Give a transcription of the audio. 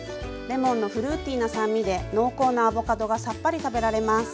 レモンのフルーティーな酸味で濃厚なアボカドがさっぱり食べられます。